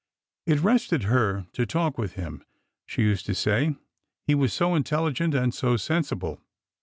It rested her to talk with him, she used to say, he was so intelligent and so sensible.